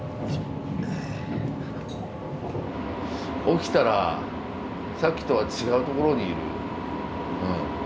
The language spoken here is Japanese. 起きたらさっきとは違う所にいる。